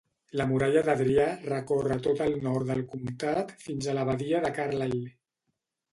La muralla d'Adrià recorre tot el nord del comtat fins a la badia de Carlisle.